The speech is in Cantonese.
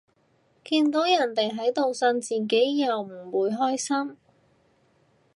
見到人哋喺度呻，自己又唔會開心